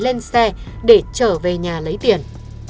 không có bị hại lên xe để trở về nhà lấy tiền